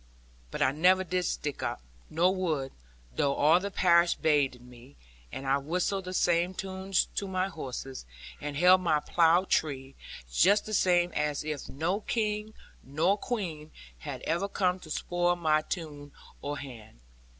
But I never did stick up, nor would, though all the parish bade me; and I whistled the same tunes to my horses, and held my plough tree, just the same as if no King, nor Queen, had ever come to spoil my tune or hand.